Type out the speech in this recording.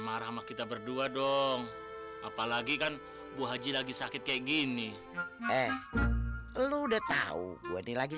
marah sama kita berdua dong apalagi kan bu haji lagi sakit kayak gini eh lu udah tahu wah ini lagi